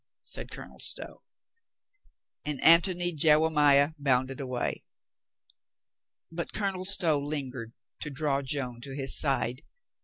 said Colonel Stow. And Antony Jewemiah bounded away. But Colonel Stow lingered to draw Joan to his side.